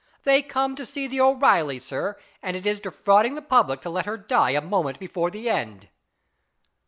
They come to see the O'Reilly, sir, and it is defrauding the public to let her die a moment before the end."